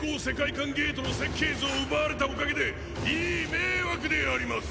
間ゲートの設計図を奪われたおかげでいい迷惑であります！